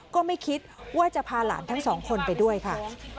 ก็ไม่คิดว่าจะพาหลานทั้งสองคนไปด้วยค่ะ